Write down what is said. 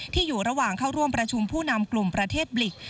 อยู่ระหว่างเข้าร่วมประชุมผู้นำกลุ่มประเทศบลิก